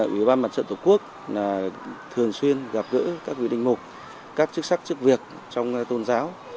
ủy ban mặt trận tổ quốc thường xuyên gặp gỡ các vị đình mục các chức sắc chức việc trong tôn giáo